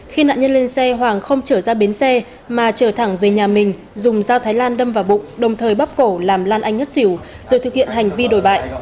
khi nạn nhân lên xe hoàng không trở ra bến xe mà trở thẳng về nhà mình dùng dao thái lan đâm vào bụng đồng thời bắp cổ làm lan anh ngất xỉu rồi thực hiện hành vi đổi bại